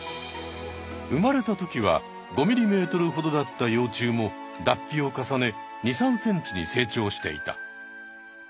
生まれたときは５ｍｍほどだった幼虫も脱皮を重ね２３ｃｍに成長していた。